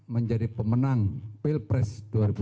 menjadi pemenang pilpres